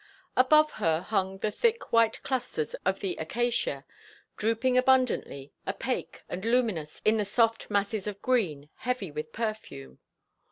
Above her hung the thick white clusters of the acacia, drooping abundantly, opaque and luminous in the soft masses of green, heavy with perfume.